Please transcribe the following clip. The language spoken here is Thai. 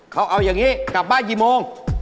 เขาเอาอย่างนี้กลับบ้านกี่โมง